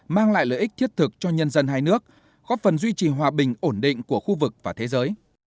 mang lại lợi ích thiết thực cho nhân dân hai nước góp phần duy trì hòa bình ổn định của khu vực và thế giới